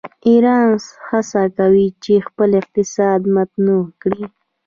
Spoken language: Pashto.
ایران هڅه کوي چې خپل اقتصاد متنوع کړي.